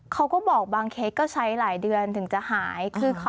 เขาก็บอกบางเค้กก็ใช้หลายเดือนถึงจะหาย